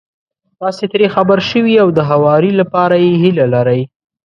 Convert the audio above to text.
تاسې ترې خبر شوي او د هواري لپاره يې هيله لرئ.